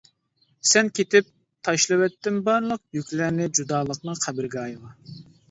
سەن كېتىپ تاشلىۋەتتىم بارلىق يۈكلەرنى جۇدالىقنىڭ قەبرىگاھىغا!